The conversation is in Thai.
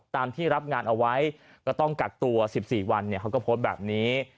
ตามที่รับงานเอาไว้ก็ต้องกักตัว๑๔วันเขาก็โพสต์แบบนี้